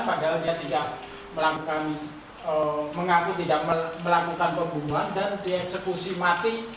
padahal dia tidak melakukan mengaku tidak melakukan pembunuhan dan dieksekusi mati